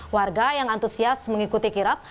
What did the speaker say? warga yang antusias mengikuti kirap